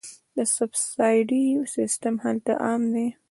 د سبسایډي سیستم هلته عام دی.